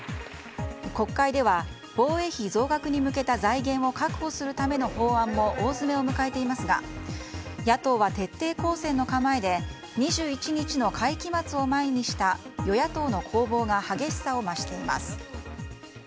国会では防衛費増額に向けた財源を確保するための法案も大詰めを迎えていますが野党は徹底抗戦の構えで２１日の会期末を前にした与野党の攻防が激しさを増しています。